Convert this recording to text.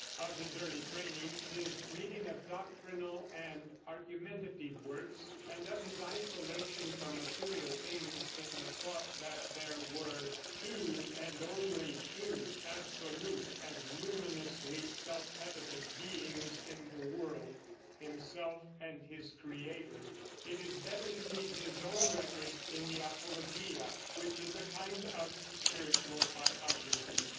Of his early training, his reading of doctrinal and argumentative works, and of his isolation from material things in the thought that there were "two and only two absolute and luminously self evident beings in the world," himself and his Creator, it is better to read his own record in the Apologia, which is a kind of spiritual biography.